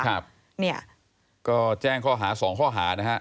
ครับเนี่ยก็แจ้งข้อหาสองข้อหานะฮะ